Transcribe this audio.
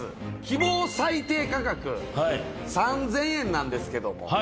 希望最低価格３０００円なんですけども。